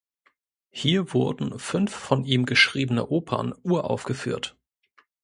Hier wurden fünf von ihm geschriebene Opern uraufgeführt.